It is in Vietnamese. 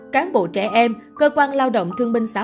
cán bộ trẻ em cơ quan lao động thương minh xã